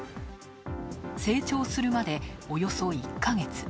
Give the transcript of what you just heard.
成長するまで、およそ１ヶ月。